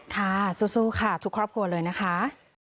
ค่ะสู้ค่ะทุกครอบครัวเลยนะคะ